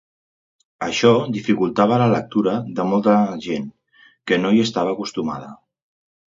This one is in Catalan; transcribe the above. Això dificultava la lectura de molta gent que no hi estava acostumada.